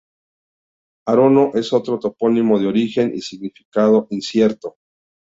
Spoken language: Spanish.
Arano es otro topónimo de origen y significado incierto.